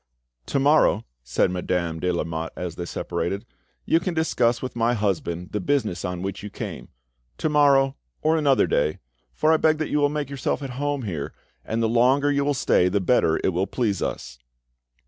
"To morrow," said Madame de Lamotte as they separated, "you can discuss with my husband the business on which you came: to morrow, or another day, for I beg that you will make yourself at home here, and the longer you will stay the better it will please us."